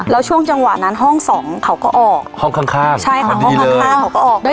แล้วช่วงจังหวะนั้นห้องสองเขาก็ออกห้องข้างข้างใช่ค่ะห้องข้างข้างเขาก็ออกด้วย